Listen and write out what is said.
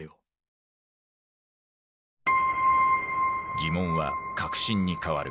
疑問は確信に変わる。